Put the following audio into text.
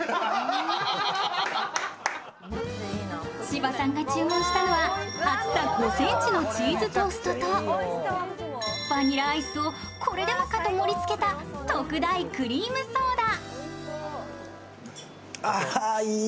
芝さんが注文したのは厚さ５ｃｍのチーズトーストとバニラアイスをこれでもかと盛りつけた特大クリームソーダ。